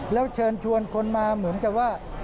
แล้วเชิญชวนคนมาเหมือนกับว่า